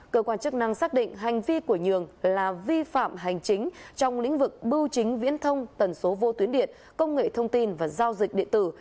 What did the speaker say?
cơ quan chức năng xác định hành vi của nhường là vi phạm hành chính trong lĩnh vực bưu chính viễn thông tần số vô tuyến điện công nghệ thông tin và giao dịch điện tử